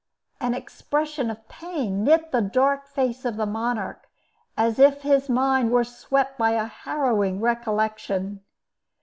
An expression of pain knit the dark face of the monarch, as if his mind were swept by a harrowing recollection.